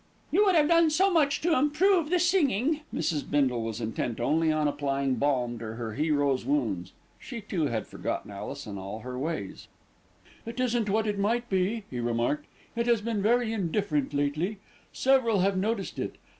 "You would have done so much to improve the singing." Mrs. Bindle was intent only on applying balm to her hero's wounds. She too had forgotten Alice and all her ways. "It isn't what it might be," he remarked. "It has been very indifferent lately. Several have noticed it.